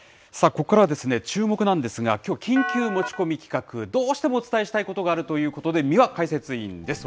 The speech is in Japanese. ここからはチューモク！なんですが、きょう、緊急持ち込み企画、どうしてもお伝えしたいことがあるということで、三輪解説委員です。